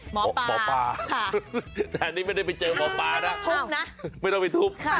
หมอปาแต่นี่ไม่ได้ไปเจอหมอปานะไม่ต้องไปทุบนะ